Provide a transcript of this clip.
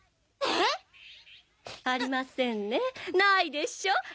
ええっ？ありませんねないでしょ？